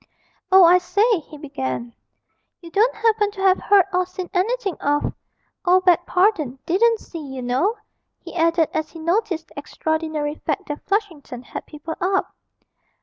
'Oh, I say,' he began, 'you don't happen to have heard or seen anything of oh, beg pardon, didn't see, you know,' he added, as he noticed the extraordinary fact that Flushington had people up.